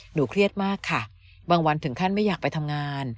เครียดมากค่ะบางวันถึงขั้นไม่อยากไปทำงาน